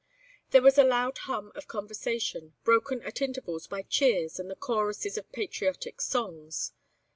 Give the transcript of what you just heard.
There was a loud hum of conversation, broken at intervals by cheers and the choruses of patriotic songs.